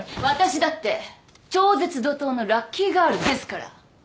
私だって超絶怒濤のラッキーガールですから！